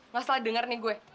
gak salah denger nih gue